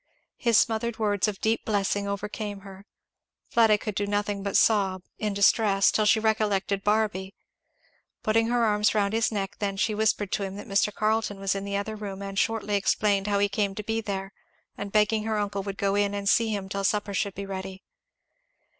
His smothered words of deep blessing overcame her. Fleda could do nothing but sob, in distress, till she recollected Barby. Putting her arms round his neck then she whispered to him that Mr. Carleton was in the other room and shortly explained how he came to be there, and begged her uncle would go in and see him till supper should be ready.